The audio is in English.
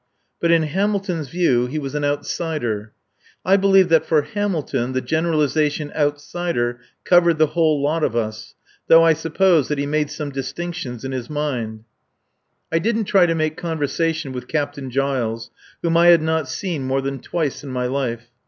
But in Hamilton's view he was an "outsider." I believe that for Hamilton the generalisation "outsider" covered the whole lot of us; though I suppose that he made some distinctions in his mind. I didn't try to make conversation with Captain Giles, whom I had not seen more than twice in my life.